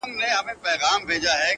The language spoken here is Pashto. ته به لېري په پټي کي خپل واښه کړې -